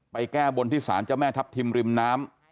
แก้บนที่สารเจ้าแม่ทัพทิมริมน้ำ